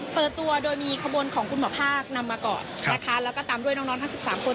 เปิดตัวโดยมีขบวนของคุณหมอภาคนำมาก่อนนะคะแล้วก็ตามด้วยน้องน้องทั้ง๑๓คน